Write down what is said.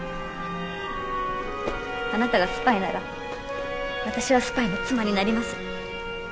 あなたがスパイなら私はスパイの妻になります。